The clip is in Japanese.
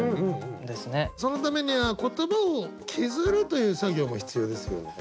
そのためには言葉を削るという作業も必要ですよね。